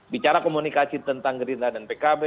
bicara komunikasi tentang gerinda dan pkb